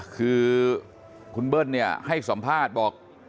คือคุณเบิ้ลเนี่ยให้สัมภาษณ์บอก